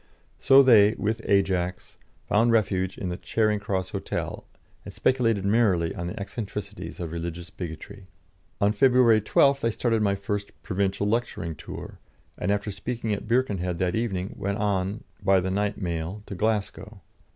So they, with "Ajax," found refuge at the Charing Cross Hotel, and speculated merrily on the eccentricities of religious bigotry. On February 12th I started on my first provincial lecturing tour, and after speaking at Birkenhead that evening went on by the night mail to Glasgow.